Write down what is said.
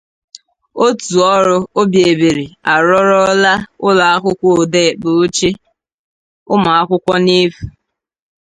Òtù Ọrụ Obiebere Arụọrọla Ụlọakwụkwọ Odekpe Oche Ụmụakwụkwọ n'Efu